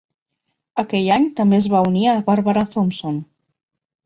Aquell any també es va unir a Barbara Thompson.